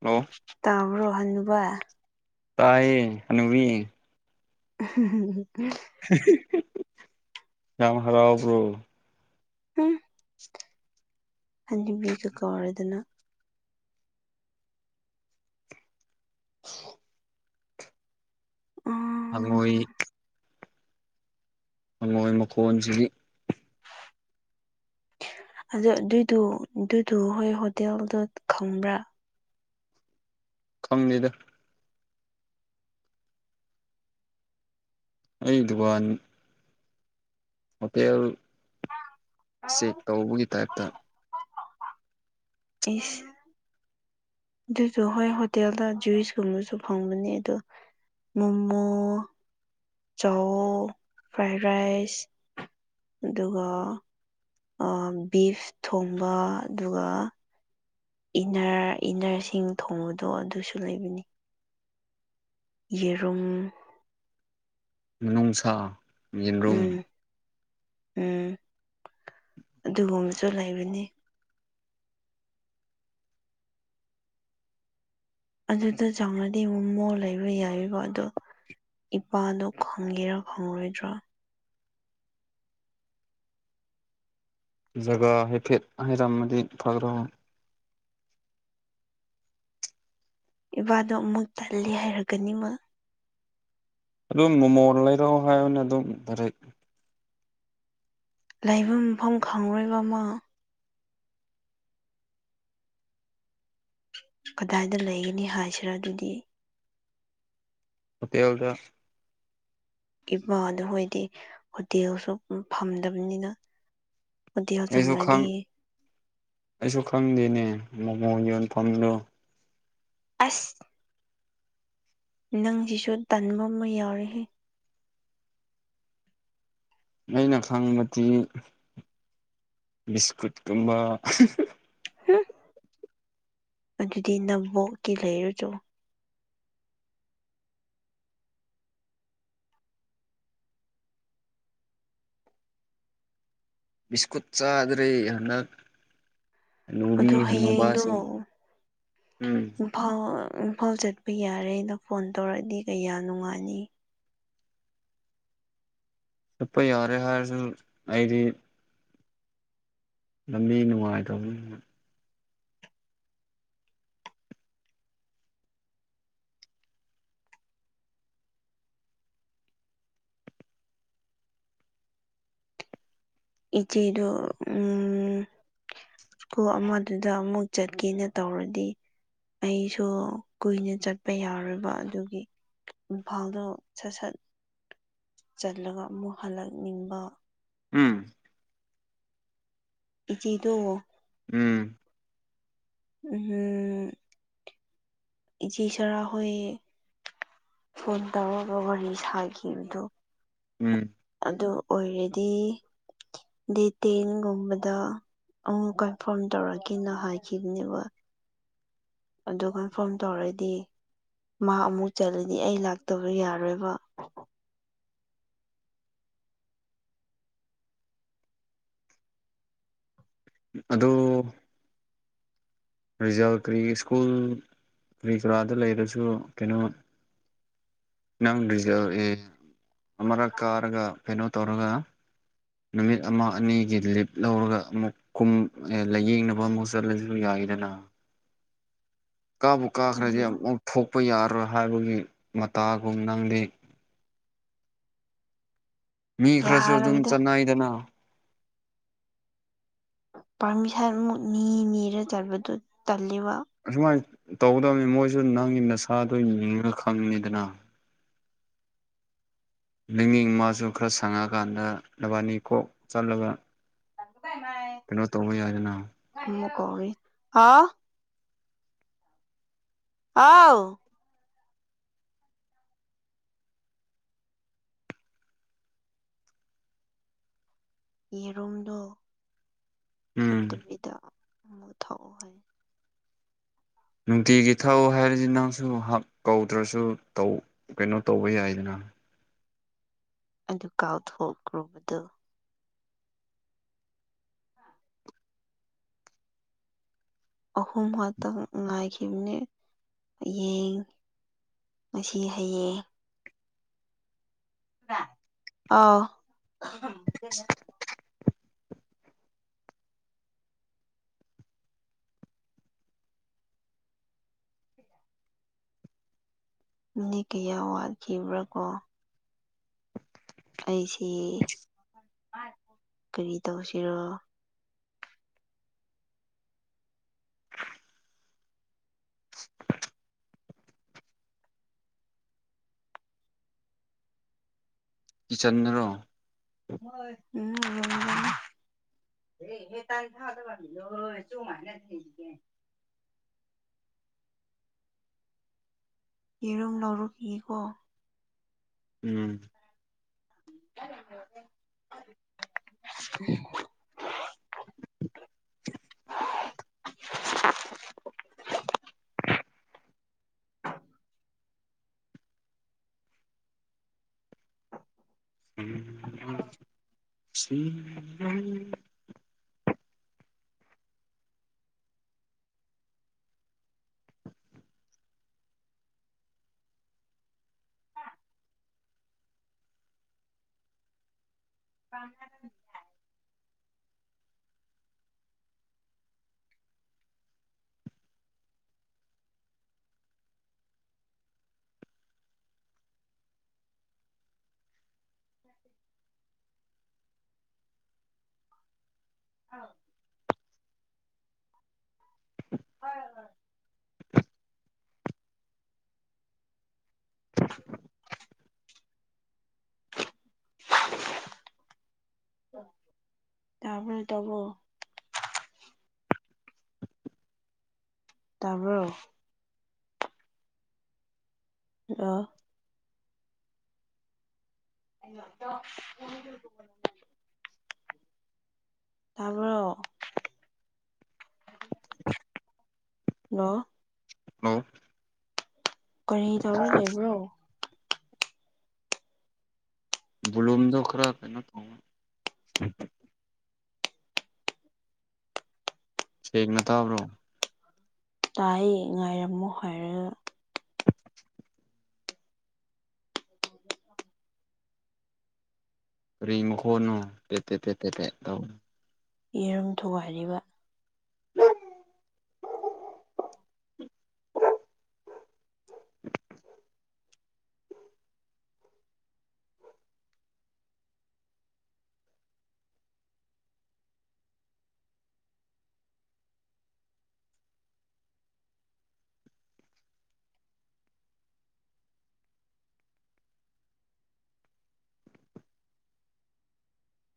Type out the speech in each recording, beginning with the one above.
Hello ꯇꯥꯕ꯭ꯔꯣ ꯍꯥꯅꯨꯕ ꯇꯥꯏꯌꯦ ꯍꯅꯨꯕꯤ [unintelligible] ꯌꯥꯝ ꯍꯔꯥꯎꯕ꯭ꯔꯣ ꯍꯨꯡ ꯍꯟꯅꯨꯕꯤꯒ ꯀꯧꯔꯗꯅ [inaudible] ꯎꯝ ꯍꯪꯉꯣꯏ ꯍꯪꯉꯣꯏ ꯃꯈꯣꯟꯁꯤꯗꯤ [inaudible] ꯍꯖꯤꯛ ꯑꯗꯨꯏꯗꯨ ꯗꯨꯏꯗꯨ ꯍꯣꯏ ꯍꯣꯇꯦꯜꯗꯨ ꯈꯪꯕ꯭ꯔꯥ ꯈꯪꯗꯦꯗ ꯑꯩ ꯗꯨꯀꯥꯟ ꯍꯣꯇꯦꯜ ꯆꯦꯛ ꯇꯧꯕꯒꯤ ꯇꯥꯏꯞꯇꯥ ꯏꯁ ꯗꯨꯏꯗꯨ ꯍꯣꯏ ꯍꯣꯇꯦꯜꯗꯥ ꯖꯨꯏꯁꯀꯨꯝꯕꯁꯨ ꯐꯪꯕꯅꯦ ꯑꯗꯣ ꯃꯣꯃꯣ ꯆꯧ ꯐ꯭ꯔꯥꯏ ꯔꯥꯏꯁ ꯑꯗꯨꯒ ꯑꯥ ꯕꯤꯐ ꯊꯣꯡꯕ ꯑꯗꯨꯒ ꯏꯟꯅꯔ ꯏꯟꯅꯔꯁꯤꯡ ꯊꯣꯡꯕꯗꯣ ꯑꯗꯨꯁꯨ ꯂꯩꯕꯅꯤ ꯌꯦꯔꯨꯝ ꯅꯨꯡꯁꯥ꯫ ꯌꯦꯟꯔꯨꯝ ꯎꯝ ꯎꯝ ꯑꯗꯨꯒꯨꯝꯕꯁꯨ ꯂꯩꯕꯅꯤ꯫ ꯑꯗꯨꯗ ꯆꯪꯂꯗꯤ ꯃꯣꯃꯣ ꯂꯩꯕ ꯌꯥꯏꯀꯣ ꯑꯗꯣ- ꯏꯄꯥꯗꯣ ꯈꯪꯒꯦꯔꯥ ꯈꯪꯔꯣꯏꯗ꯭ꯔꯥ ꯖꯒꯥ ꯍꯥꯏꯐꯦꯠ ꯍꯥꯏꯔꯝꯃꯗꯤ ꯐꯥꯒꯗꯕ꯫ ꯏꯕꯥꯗꯣ ꯑꯃꯨꯛ ꯇꯜꯂꯦ ꯍꯥꯏꯔꯛꯀꯅꯤ ꯃꯥ ꯑꯗꯨꯝ ꯃꯣꯃꯣ ꯂꯩꯔꯛꯑꯣ ꯍꯥꯏꯔꯣꯅꯦ ꯑꯗꯨꯝ [unintelligible] ꯂꯩꯕ ꯃꯐꯝ ꯈꯪꯂꯣꯏꯕ ꯃꯥ꯫ ꯀꯗꯥꯏꯗ ꯂꯩꯒꯅꯤ ꯍꯥꯏꯁꯤꯔꯥ ꯑꯗꯨꯗꯤ꯫ ꯍꯣꯇꯦꯜꯗ ꯏꯕꯥꯗꯨ ꯍꯣꯏꯗꯤ ꯍꯣꯇꯦꯜꯁꯨ ꯐꯝꯗꯕꯅꯤꯅ꯫ ꯍꯣꯇꯦꯜ ꯑꯩꯁꯨ ꯆꯪꯉꯗꯤ ꯈꯪ ꯑꯩꯁꯨ ꯈꯪꯗꯦꯅꯦ ꯃꯣꯃꯣ ꯌꯣꯟꯐꯝꯗꯣ꯫ ꯑꯁ ꯅꯪꯁꯤꯁꯨ ꯇꯟꯕ ꯑꯃ ꯌꯥꯎꯔꯦꯍꯦ꯫ ꯑꯩꯅ ꯈꯪꯕꯗꯤ ꯕꯤꯁꯀꯨꯠꯀꯨꯝꯕ꯫ ꯍꯨꯝ ꯑꯗꯨꯗꯤ ꯅꯕꯣꯛꯀꯤ ꯂꯩꯔꯨꯆꯣ꯫ ꯕꯤꯁꯀꯨꯠ ꯆꯥꯗ꯭ꯔꯦ ꯍꯟꯗꯛ ꯍꯥꯅꯨꯕꯤ ꯑꯗꯣ ꯍꯌꯦꯡꯗꯣ ꯍꯥꯅꯨꯕꯥꯁꯤꯡ ꯍꯨꯝ ꯑ ꯏꯝꯐꯥꯜ ꯆꯠꯄ ꯌꯥꯔꯦꯅ ꯐꯣꯟ ꯇꯧꯔꯛꯑꯗꯤ ꯀꯩꯌꯥ ꯅꯨꯡꯉꯥꯏꯅꯤ꯫ ꯆꯠꯄ ꯌꯥꯔꯦ ꯍꯥꯏꯔꯁꯨ ꯑꯩꯗꯤ ꯂꯝꯕꯤ ꯅꯨꯡꯉꯥꯏꯇꯕꯅꯤꯅ ꯏꯆꯦꯗꯣ ꯎꯝ ꯁ꯭ꯀꯨꯜ ꯑꯃꯗꯨꯗ ꯑꯃꯨꯛ ꯆꯠꯀꯦꯅ ꯇꯧꯔꯗꯤ꯫ ꯑꯩꯁꯨ ꯀꯨꯏꯅ ꯆꯠꯄ ꯌꯥꯔꯣꯏꯕ ꯑꯗꯨꯒꯤ꯫ ꯏꯝꯐꯥꯜꯗꯣ ꯁꯠ ꯁꯠ ꯆꯠꯂꯒ ꯑꯃꯨꯛ ꯍꯜꯂꯛꯅꯤꯡꯕ꯫ ꯎꯝ ꯏꯆꯦꯗꯣ ꯎꯝ ꯎꯝ ꯍꯨꯝ ꯏꯆꯦ ꯁꯔꯥ ꯍꯣꯢ ꯐꯣꯟ ꯇꯧꯔꯒ ꯋꯥꯔꯤ ꯁꯥꯒꯤꯕꯗꯣ ꯎꯝ ꯑꯗꯨ ꯑꯣꯏꯔꯗꯤ꯫ ꯗꯦꯠ ꯇꯦꯟꯒꯨꯝꯕꯗ ꯑꯃꯨꯛ ꯀꯥꯔꯐꯥꯝ ꯇꯧꯔꯛꯀꯦꯅ ꯍꯥꯏꯈꯤꯕꯅꯦꯕ꯫ ꯑꯗꯨ ꯀꯔꯐꯥꯝ ꯇꯧꯔꯗꯤ ꯃꯥ ꯑꯃꯨꯛ ꯆꯠꯂꯅꯤ ꯑꯩ ꯂꯥꯛꯇꯕ ꯌꯥꯔꯣꯏꯕ꯫ ꯑꯗꯣ ꯔꯤꯖꯜ ꯀꯔꯤ ꯁ꯭ꯀꯨꯜ ꯀꯔꯤ ꯀꯔꯥꯗ ꯂꯩꯔꯁꯨ ꯀꯩꯅꯣ ꯅꯪ ꯔꯤꯖꯜ ꯑꯦ ꯑꯃꯔꯛ ꯀꯥꯔꯒ ꯀꯩꯅꯣ ꯇꯧꯔꯒ ꯅꯨꯃꯤꯠ ꯑꯃ ꯑꯅꯤꯒꯤ ꯂꯤꯞ ꯂꯧꯔꯒ ꯑꯃꯨꯛ ꯀꯨꯝ ꯂꯥꯏꯌꯦꯡꯅꯕ ꯑꯃꯨꯛ ꯆꯠꯂꯁꯨ ꯌꯥꯏꯌꯦꯗꯅ꯫ ꯀꯥꯕꯨ ꯀꯥꯈ꯭ꯔꯗꯤ ꯑꯗꯨ ꯑꯃꯨꯛ ꯊꯣꯛꯄ ꯌꯥꯔꯣꯏ ꯍꯥꯏꯕꯒꯤ ꯃꯇꯥꯒꯨꯝ ꯅꯪꯗꯤ ꯃꯤ ꯈꯔꯁꯨ ꯑꯗꯨꯝ ꯌꯥꯔꯣꯏꯗ ꯆꯠꯅꯩꯗꯅ꯫ ꯄꯥꯔꯃꯤꯁꯟꯃꯨꯛ ꯅꯤ ꯅꯤꯔ ꯆꯠꯄꯗꯨ ꯇꯜꯂꯦꯕ꯫ ꯑꯁꯨꯃꯥꯏ ꯇꯧꯒꯗꯕꯅꯦ ꯃꯣꯏꯁꯨ ꯅꯪꯒꯤ ꯅꯁꯥꯗꯣ ꯌꯦꯡꯉꯥꯒ ꯈꯪꯅꯤꯗꯅ꯫ ꯅꯪꯒꯤ ꯏꯃꯥꯁꯨ ꯈꯔ ꯁꯪꯑꯀꯥꯟꯗ ꯅꯕꯥꯅꯤ ꯀꯣꯛ ꯆꯠꯂꯒ [unintelligible] ꯀꯩꯅꯣ ꯇꯧꯕ ꯌꯥꯏꯗꯅ꯫ ꯑꯃꯨꯛ ꯀꯧꯔꯤ ꯍꯥꯎ ꯍꯥꯎ ꯌꯦꯔꯨꯝꯗꯣ ꯎꯝ ꯐꯨꯠꯇꯥꯕꯤꯗꯥ ꯑꯃꯨꯛ ꯊꯛꯑꯣ ꯍꯥꯏꯌꯣ ꯅꯨꯡꯇꯤꯒꯤ ꯊꯛꯑꯣ ꯍꯥꯏꯔꯗꯤ ꯅꯪꯁꯨ ꯍꯛ ꯀꯧꯗ꯭ꯔꯁꯨ ꯇꯧ ꯀꯩꯅꯣ ꯇꯧꯕ ꯌꯥꯏꯗꯥꯅꯥ ꯑꯗꯨ ꯀꯥꯎꯊꯣꯛꯈ꯭ꯔꯣꯕꯥꯗꯨ ꯑꯍꯨꯝ ꯉꯥꯛꯇ ꯉꯥꯏꯈꯤꯕꯥꯅꯦ ꯌꯦꯡ ꯉꯥꯁꯤ ꯍꯥꯌꯦꯡ ꯑꯥꯎ ꯃꯤ ꯀꯌꯥ ꯋꯥꯠꯈꯤꯕ꯭ꯔꯥ ꯀꯣ ꯑꯩꯁꯦ ꯀꯔꯤ ꯇꯧꯁꯤꯔꯣ [unintelligible] [unintelligible] [unintelligible] ꯌꯦꯔꯨꯝ ꯂꯧꯔꯨ ꯈꯤꯒꯦꯀꯣ ꯎꯝ [unintelligible] [unintelligible] [unintelligible] [unintelligible] [unintelligible] ꯇꯥꯕ꯭ꯔꯣ ꯗꯥꯕꯣ ꯇꯥꯕ꯭ꯔꯣ ꯍꯥꯂꯣ [unintelligible] ꯇꯥꯕ꯭ꯔꯣ ꯍꯥꯂꯣ ꯂꯣ ꯀꯥꯔꯤ ꯇꯧꯔꯥ ꯂꯩꯕ꯭ꯔꯣ ꯕꯣꯂꯨꯝꯗꯣ ꯈꯔ ꯀꯩꯅꯣ ꯇꯧꯕꯥ ꯁꯦꯡꯅꯥ ꯇꯥꯕ꯭ꯔꯣ ꯇꯥꯏꯌꯦ ꯉꯥꯏꯔꯝꯃꯣ ꯍꯥꯏꯔꯥꯒꯥ ꯀꯥꯔꯤ ꯃꯈꯣꯟꯅꯣ ꯄꯦꯠ ꯄꯦꯠ ꯄꯦꯠ ꯄꯦꯠ ꯄꯦꯠ ꯇꯧ ꯌꯦꯔꯨꯝ ꯊꯨꯒꯥꯏꯔꯤꯕꯥ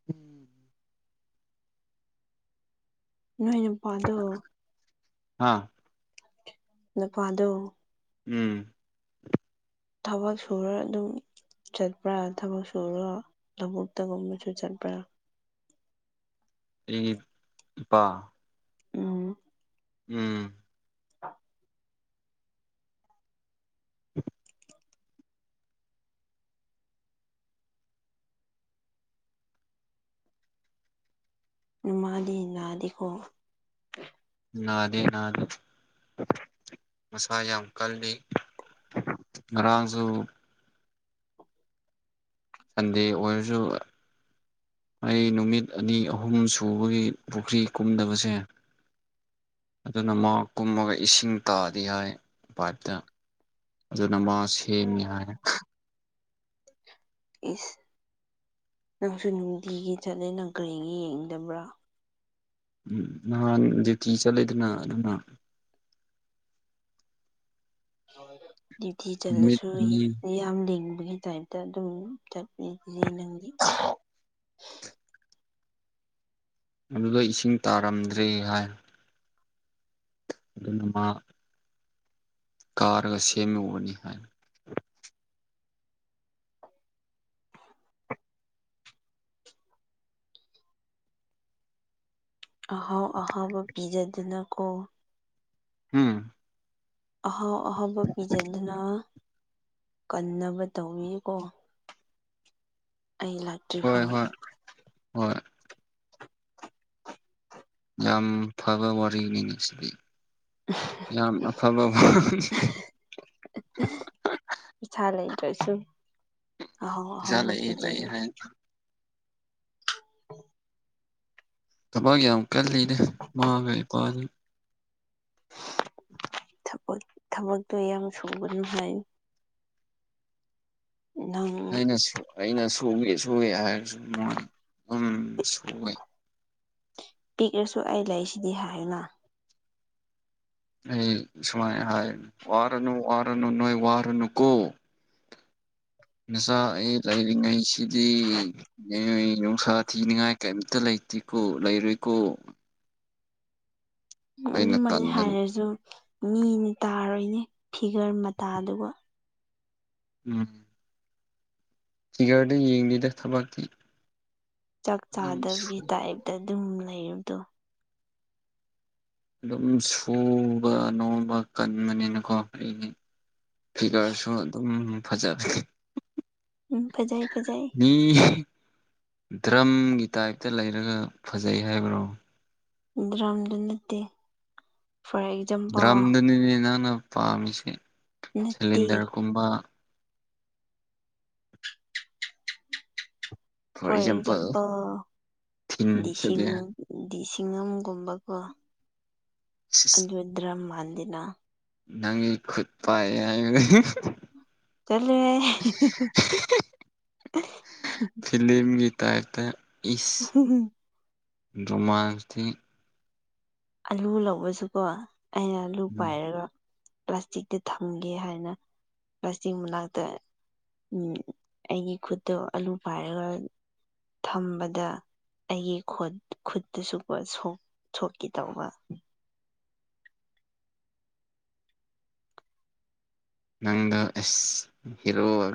[unintelligible] ꯅꯣꯏꯅꯨꯄꯥꯗꯨꯔꯣ ꯍꯥ [unintelligible] ꯎꯝ ꯊꯕꯛ ꯁꯨꯔꯥ ꯑꯗꯨꯝ ꯆꯠꯄ꯭ꯔꯥ ꯊꯕꯛ ꯁꯨꯔꯣ ꯊꯥꯕꯛꯇꯥꯒꯨꯝꯕꯥꯁꯨ ꯆꯠꯄ꯭ꯔꯥ ꯎꯝ ꯄꯥ ꯎꯝ ꯎꯝ [unintelligible] [unintelligible] ꯏꯃꯥꯗꯤ ꯅꯥꯗꯦꯀꯣ ꯅꯥꯗꯦ ꯅꯥꯗꯦ꯫ ꯃꯁꯥ ꯌꯥꯝ ꯀꯜꯂꯤ ꯉꯔꯥꯡꯖꯨ ꯁꯟꯗꯦ ꯑꯣꯏꯔꯖꯨ ꯑꯩ ꯅꯨꯃꯤꯠ ꯑꯅꯤ ꯑꯍꯨꯝ ꯁꯨꯕꯒꯤ ꯄꯨꯈ꯭ꯔꯤ ꯀꯨꯝꯗꯕꯁꯦ ꯑꯗꯨꯅ ꯃꯥ ꯀꯨꯝꯃꯒ ꯏꯁꯤꯡ ꯇꯥꯗꯦ ꯍꯥꯏ ꯄꯥꯏꯞꯇ꯫ ꯑꯗꯨꯅꯃꯥ ꯁꯦꯝꯃꯤ ꯍꯥꯏ꯫ ꯏꯁ ꯅꯪꯁꯨ ꯅꯨꯡꯇꯤꯒꯤ ꯆꯠꯂꯦ ꯅꯪ ꯀꯔꯤꯒꯤ ꯌꯦꯡꯗꯕ꯭ꯔꯥ꯫ ꯎꯝ ꯅꯍꯥꯟ ꯗꯤꯌꯨꯇꯤ ꯆꯠꯂꯦꯗꯨꯅ ꯑꯗꯨꯅ [unintelligible] ꯗꯤꯌꯨꯇꯤ ꯅꯨꯃꯤꯠ ꯆꯠꯂꯁꯨ ꯑꯅꯤ ꯌꯦꯡ ꯌꯥꯝ ꯂꯤꯡꯕꯒꯤ ꯇꯥꯏꯞꯇ ꯑꯗꯨꯝ ꯆꯠꯂꯤꯗꯨꯗꯤ ꯅꯪꯗꯤ꯫ ꯑꯗꯨꯗꯣ ꯏꯁꯤꯡ ꯇꯥꯔꯝꯗ꯭ꯔꯦ ꯍꯥꯏ꯫ ꯑꯗꯨꯒꯤ ꯃꯥ ꯀꯥꯔꯒ ꯁꯦꯝꯃꯨꯕꯅꯤ ꯍꯥꯏ꯫ ꯑꯍꯥꯎ ꯑꯍꯥꯎꯕ ꯄꯤꯖꯗꯨꯅꯀꯣ ꯎꯝ꯫ ꯑꯍꯥꯎ ꯑꯍꯥꯎꯕ ꯄꯤꯖꯗꯨꯅ ꯀꯟꯅꯕ ꯇꯧꯕꯤꯌꯣꯀꯣ ꯑꯩ ꯂꯥꯛꯇ꯭ꯔꯤ ꯍꯣꯏ ꯐꯥꯎ꯫ ꯍꯣꯏ ꯍꯣꯏ ꯌꯥꯝ ꯐꯕ ꯋꯥꯔꯤꯅꯤꯅꯦ ꯁꯤꯗꯤ꯫ ꯌꯥꯝ ꯑꯐꯕ꯫ ꯄꯤꯁꯥ ꯂꯩꯇ꯭ꯔꯁꯨ ꯑꯍꯥꯎ ꯄꯩꯁꯥ ꯑꯍꯥꯎ ꯂꯩ ꯂꯩ ꯄꯤꯖꯒꯦ꯫ ꯍꯥꯏ [inaudible] ꯊꯕꯛ ꯌꯥꯝ ꯀꯜꯂꯤꯅꯦ ꯃꯥꯒ ꯏꯄꯥꯅꯦ꯫ ꯊꯕꯥꯛ ꯊꯕꯛꯇꯨ ꯌꯥꯝ ꯁꯨꯒꯅꯨ ꯍꯥꯏꯌꯨ꯫ ꯅꯪ ꯑꯩꯅꯁꯨ ꯑꯩꯅ ꯁꯨꯒꯦ ꯁꯨꯋꯦ ꯍꯥꯏꯔꯁꯨ ꯃꯣꯏ ꯑꯗꯨꯝ ꯁꯨꯋꯦ꯫ ꯄꯤꯛꯂꯁꯨ ꯑꯩ ꯂꯩꯁꯤꯗꯤ ꯍꯥꯏꯌꯨꯅ꯫ ꯑꯩ ꯁꯨꯃꯥꯏꯅ ꯍꯥꯏꯕꯅꯤ ꯋꯥꯔꯅꯨ ꯋꯥꯔꯅꯨ ꯅꯣꯏ ꯋꯥꯔꯅꯨ ꯀꯣ꯫ ꯅꯆꯥ ꯑꯩ ꯂꯩꯔꯤꯉꯩꯁꯤꯗꯤ ꯅꯣꯏ ꯅꯨꯡꯁꯥ ꯊꯤꯅꯤꯡꯉꯥꯏ ꯀꯩꯏꯝ ꯇ ꯂꯩꯇꯤꯀꯣ ꯂꯩꯔꯣꯏꯀꯣ ꯫ ꯑꯩꯅ ꯑꯗꯨꯃꯥꯏꯅ ꯇꯟꯗꯅ ꯍꯥꯏꯔꯖꯨ ꯃꯤꯅ ꯇꯥꯔꯣꯏꯅꯦ ꯐꯤꯒꯔ ꯃꯇꯥꯗꯨꯒ꯫ ꯎꯝ꯫ ꯐꯤꯒꯔꯗ ꯌꯦꯡꯗꯦꯗ ꯊꯕꯛꯇꯤ꯫ ꯆꯥꯛ ꯑꯗꯨꯝ ꯆꯥꯗꯕꯒꯤ ꯇꯥꯏꯞꯇ ꯑꯗꯨꯝ ꯂꯩꯔꯕꯗꯣ꯫ ꯑꯗꯨꯝ ꯁꯨꯕ ꯅꯣꯝꯕ ꯀꯟꯕꯅꯤꯅꯀꯣ ꯑꯩꯗꯤ꯫ ꯐꯤꯒꯔꯁꯨ ꯑꯗꯨꯝ ꯐꯖꯔꯦ꯫ ꯎꯝ ꯐꯖꯩ ꯐꯖꯩ ꯃꯤ꯫ ꯗ꯭ꯔꯝꯒꯤ ꯇꯥꯏꯞꯇ ꯂꯩꯔꯒ ꯐꯖꯩ ꯍꯥꯏꯕ꯭ꯔꯣ꯫ ꯗ꯭ꯔꯥꯝꯗꯨ ꯅꯠꯇꯦ ꯐꯔꯩ ꯗ꯭ꯔꯝꯗꯨꯅꯤꯅꯦ ꯅꯪꯅ ꯄꯥꯝꯃꯤꯁꯦ ꯅꯠꯇꯦ ꯁꯤꯂꯤꯟꯗꯔꯒꯨꯝꯕ꯫ Four example ꯗꯤꯁꯤꯡ꯫ ꯊꯤꯟꯁꯤꯗꯤ ꯗꯤ ꯁꯤꯡꯉꯝꯒꯨꯝꯕꯀꯣ ꯑꯗꯨ ꯗ꯭ꯔꯝꯃꯥꯟꯗꯦꯅ꯫ ꯅꯪ ꯈꯨꯠ ꯄꯥꯏ ꯍꯥꯏꯕꯅꯤ꯫ ꯇꯜꯂꯤꯍꯦ꯫ ꯐꯤꯂꯤꯌꯝꯒꯤ ꯇꯥꯏꯞꯇ ꯏꯁ ꯔꯣꯃꯥꯟꯁꯇꯤ꯫ ꯑꯂꯨ ꯂꯧꯕꯁꯨꯀꯣ ꯑꯩꯅ ꯑꯂꯨ ꯄꯥꯏꯔꯒ ꯄ꯭ꯂꯥꯁꯇꯤꯛꯇ ꯊꯝꯒꯦ ꯍꯥꯏꯅ ꯄ꯭ꯂꯥꯁꯇꯤꯛ ꯃꯅꯥꯛꯇ ꯎꯝ ꯑꯩꯒꯤ ꯈꯨꯠꯇꯣ ꯑꯂꯨ ꯄꯥꯏꯔꯒ꯫ ꯊꯝꯕꯗ ꯑꯩꯒꯤ ꯈꯨꯠ ꯈꯨꯠꯇꯁꯨ ꯄꯣꯠ ꯁꯣꯛ꯫ ꯀꯤꯇꯧꯕ꯫ ꯅꯪꯗ ꯑꯦꯁ ꯍꯤꯔꯣ꯫